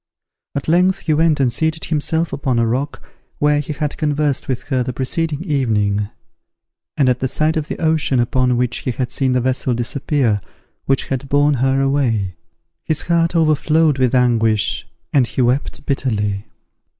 At length he went and seated himself upon a rock where he had conversed with her the preceding evening; and at the sight of the ocean upon which he had seen the vessel disappear which had borne her away, his heart overflowed with anguish, and he wept bitterly.